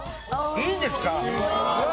いいですか。